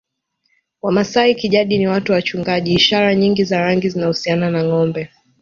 Wamasai kijadi ni watu wachungaji ishara nyingi za rangi zinahusiana na ngombe